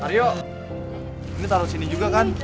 aryo ini taruh sini juga kan